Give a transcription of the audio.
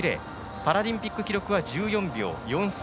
パラリンピック記録は１４秒４３。